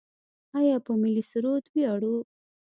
آیا په ملي سرود ویاړو؟